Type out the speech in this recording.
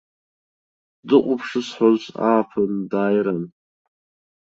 Дыҟоуп шысҳәоз ааԥын дааиран.